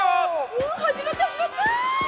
お始まった始まった！